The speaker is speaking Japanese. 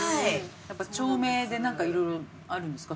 やっぱ丁目でなんかいろいろあるんですか？